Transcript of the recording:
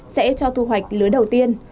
sẽ cho thu hoạch lứa đầu tiên